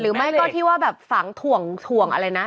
หรือไม่ก็ที่ว่าแบบฝังถ่วงถ่วงอะไรนะ